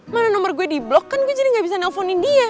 malah nomor gue di blok kan gue jadi gak bisa nelfonin dia